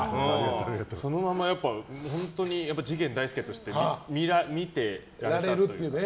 そのまま、本当に次元大介として見てられるというか。